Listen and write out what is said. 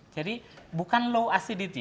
jadi bukan low acidity